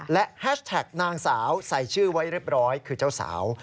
และแฮชแท็กนางสาวใส่ชื่อไว้เรียบร้อยคือเจ้าสาว